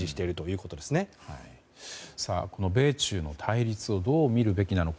この米中の対立をどう見るべきなのか。